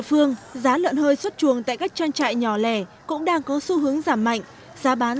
phương giá lợn hơi xuất chuồng tại các trang trại nhỏ lẻ cũng đang có xu hướng giảm mạnh giá bán